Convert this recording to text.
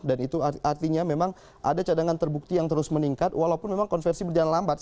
dan itu artinya memang ada cadangan terbukti yang terus meningkat walaupun memang konversi berjalan lambat